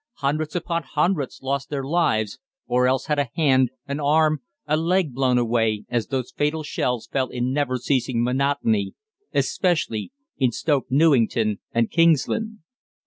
Hundreds upon hundreds lost their lives, or else had a hand, an arm, a leg blown away, as those fatal shells fell in never ceasing monotony, especially in Stoke Newington and Kingsland.